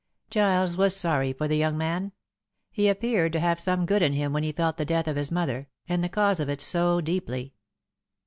Giles was sorry for the young man. He appeared to have some good in him when he felt the death of his mother, and the cause of it, so deeply.